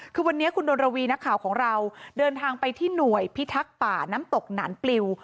คือวันนี้คุณดนรวีนักข่าวของเราเดินทางไปที่หน่วยพิทักษ์ป่าน้ำตกหนานปลิว